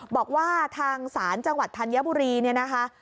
บอกว่าทางศาลจังหวัดธัญบุรีเนี่ยนะคะ